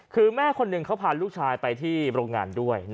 คือแม่คนหนึ่งเขาพาลูกชายไปที่โรงงานด้วย